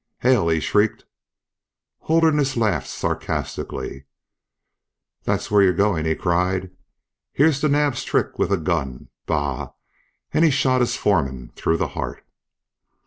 "H l!" he shrieked. Holderness laughed sarcastically. "That's where you're going!" he cried. "Here's to Naab's trick with a gun Bah!" And he shot his foreman through the heart.